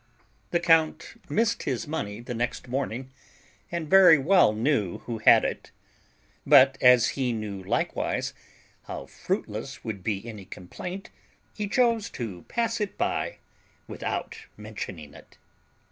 The count missed his money the next morning, and very well knew who had it; but, as he knew likewise how fruitless would be any complaint, he chose to pass it by without mentioning it.